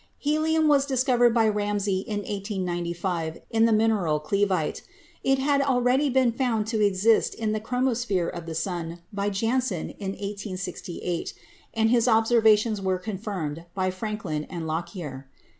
Helium was discovered by Ramsay in 1895 in the min eral cleveite. It had already been found to exist in the chromosphere of the sun by Janssen in 1868, and his ob servations were confirmed by Frankland and Lockyer.